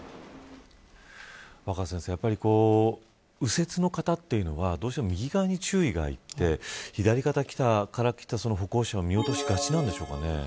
若狭先生右折の方というのはどうしても右側に注意がいって左側から来た歩行者を見落としがちなんでしょうかね。